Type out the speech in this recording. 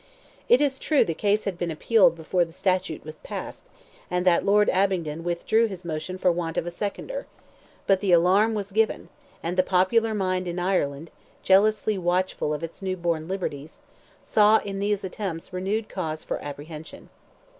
It is true the case had been appealed before the statute was passed; and that Lord Abingdon withdrew his motion for want of a seconder; but the alarm was given, and the popular mind in Ireland, jealously watchful of its new born liberties, saw in these attempts renewed cause for apprehension.